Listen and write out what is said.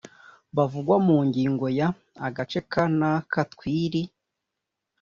bavugwa mu ngingo ya agace ka n aka tw iri